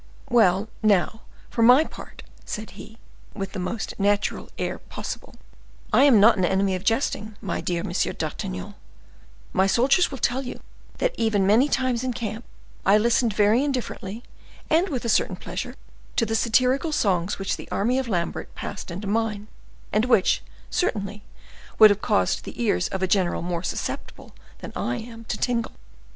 "Well, now, for my part," said he, with the most natural air possible, "I am not an enemy of jesting, my dear Monsieur d'Artagnan; my soldiers will tell you that even many times in camp, I listened very indifferently, and with a certain pleasure, to the satirical songs which the army of Lambert passed into mine, and which, certainly, would have caused the ears of a general more susceptible than I am to tingle."